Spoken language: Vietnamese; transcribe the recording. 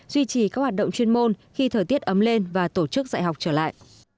duy trì các hoạt động chuyên môn khi thời tiết ấm lên và tổ chức dạy học trở lại